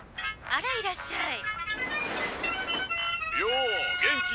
「あらいらっしゃい」。